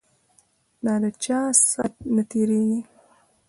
ده چا سات نه تیریږی